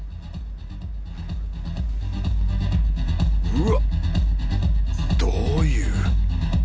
うわっどういう。